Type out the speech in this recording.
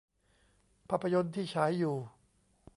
ภาพยนตร์ที่ฉายอยู่